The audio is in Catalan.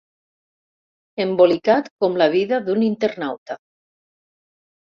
Embolicat com la vida d'un internauta.